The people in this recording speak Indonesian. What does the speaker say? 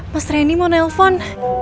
mas renny mau telepon